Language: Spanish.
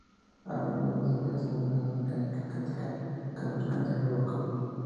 A menudo desarrolla otras amenazas mecánicas que atacan con frecuencia a RoboCop.